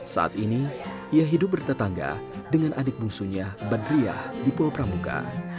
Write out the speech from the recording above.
saat ini ia hidup bertetangga dengan adik bungsunya badriah di pulau pramuka